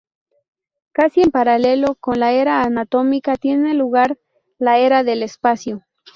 Casi en paralelo con la Era atómica, tiene lugar la Era del espacio.